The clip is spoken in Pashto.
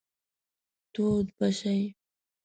تود به شئ.